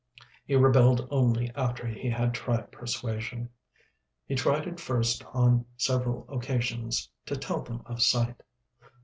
He rebelled only after he had tried persuasion. He tried at first on several occasions to tell them of sight.